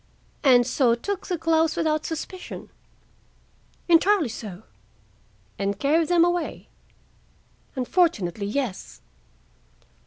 "And so took the gloves without suspicion?" "Entirely so." "And carried them away?" "Unfortunately, yes."